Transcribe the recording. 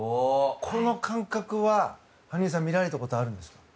この感覚は羽生さん見られたことあるんですか？